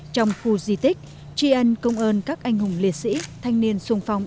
trong khu di tích tri ân công ơn các anh hùng liệt sĩ thanh niên sung phong